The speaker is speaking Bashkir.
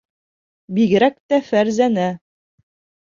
Бигерәк тә Фәрзәнә.